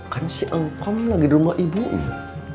kan si engkom lagi di rumah ibu mu